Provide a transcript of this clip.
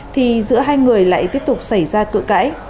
thì giữa hai người lại tiếp tục xảy ra cự cãi